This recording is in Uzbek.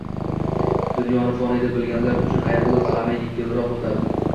Dunyoni foniy deb bilganlar uchun ayriliq alami yengilroq o‘tadi.